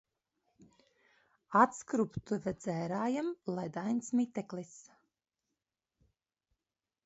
Atskurbtuve dzērājam, ledains miteklis.